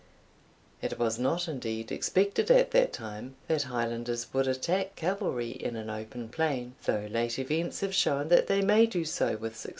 It was not, indeed, expected at that time, that Highlanders would attack cavalry in an open plain, though late events have shown that they may do so with success.